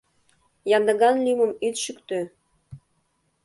— Яндыган лӱмым ит шӱктӧ.